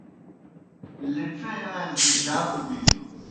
لڇے آݩزیْ دہ جاکوْ بِینوْ